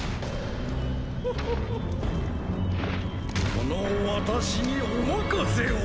この私にお任せを！